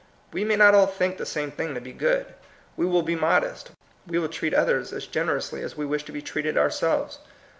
We may not all think the same thing to be good. We will be mod est; we will treat others as generously as we wish to be treated ourselves.